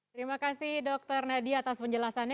terima kasih dr nadi atas penjelasannya